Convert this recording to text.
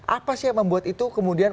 apa sih yang membuat itu kemudian